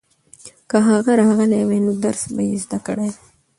که هغه راغلی وای نو درس به یې زده کړی وای.